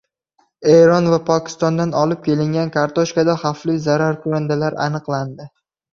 Eron va Pokistondan olib kelingan kartoshkada xavfli zararkunandalar aniqlandi